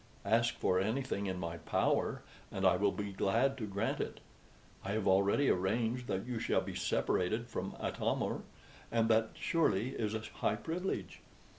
Ask for anything in my power, and I will be glad to grant it. I have already arranged that you shall be separated from Atam or; and that, surely, is a high privilege.